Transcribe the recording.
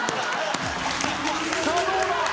さあどうだ⁉